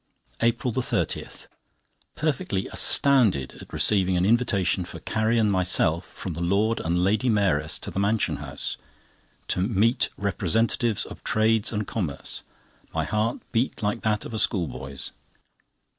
APRIL 30.—Perfectly astounded at receiving an invitation for Carrie and myself from the Lord and Lady Mayoress to the Mansion House, to "meet the Representatives of Trades and Commerce." My heart beat like that of a schoolboy's.